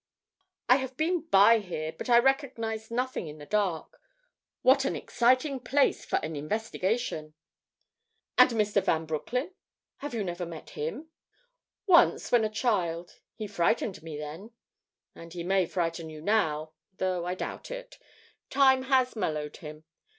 "I have been by here, but I recognized nothing in the dark. What an exciting place for an investigation!" "And Mr. Van Broecklyn? Have you never met him?" "Once, when a child. He frightened me then." "And may frighten you now; though I doubt it. Time has mellowed him.